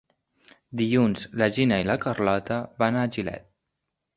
Dilluns na Gina i na Carlota van a Gilet.